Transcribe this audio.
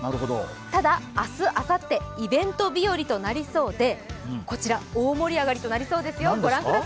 ただ、明日、あさって、イベント日和となりそうでこちら、大盛り上がりとなりそうですよ。